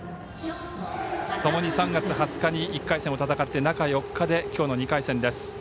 ともに３月２０日に１回戦を戦って中４日できょうの２回戦です。